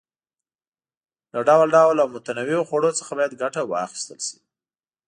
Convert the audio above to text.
له ډول ډول او متنوعو خوړو څخه باید ګټه واخیستل شي.